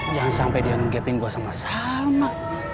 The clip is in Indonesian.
jangan sampe dia nunggepin gua sama salma